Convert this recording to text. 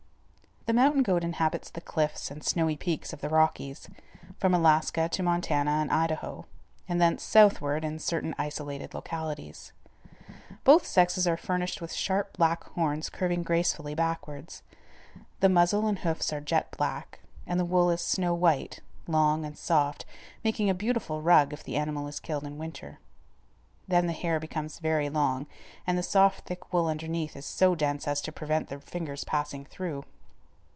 The mountain goat inhabits the cliffs and snowy peaks of the Rockies, from Alaska to Montana and Idaho, and thence southward in certain isolated localities. Both sexes are furnished with sharp black horns curving gracefully backwards. The muzzle and hoofs are jet black, but the wool is snow white, long, and soft, making a beautiful rug if the animal is killed in winter. Then the hair becomes very long, and the soft thick wool underneath is so dense as to prevent the fingers passing through.